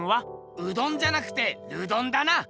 うどんじゃなくてルドンだな！